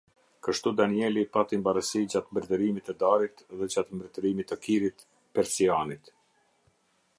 Kështu Danieli pati mbarësi gjatë mbretërimit të Darit dhe gjatë mbretërimit të Kirit, Persianit.